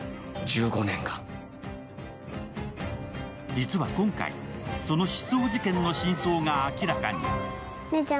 実は今回、その失踪事件の真相が明らかに。